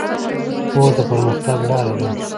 پوهه د پرمختګ لاره ده.